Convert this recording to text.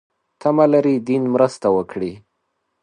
تمه لري دین مرسته وکړي.